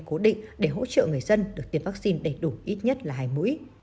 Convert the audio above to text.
cố định để hỗ trợ người dân được tiêm vaccine đầy đủ ít nhất là hai mũi